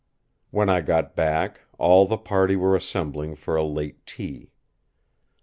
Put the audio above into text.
When I got back, all the party were assembling for a late tea.